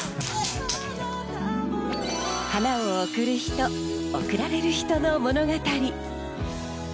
花を贈る人、贈られる人の物語。